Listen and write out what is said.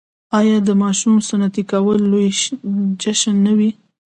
آیا د ماشوم سنتي کول لوی جشن نه وي؟